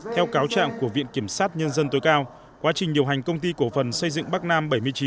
theo cáo trạng của viện kiểm sát nhân dân tối cao quá trình điều hành công ty cổ phần xây dựng bắc nam bảy mươi chín